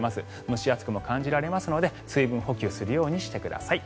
蒸し暑くも感じられますので水分補給するようにしてください。